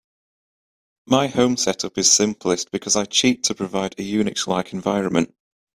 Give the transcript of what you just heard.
My home set up is simplest, because I cheat to provide a UNIX-like environment.